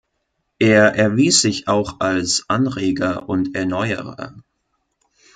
Er erwies sich auch als Anreger und Erneuerer.